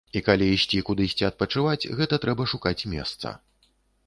І калі ісці кудысьці адпачываць, гэта трэба шукаць месца.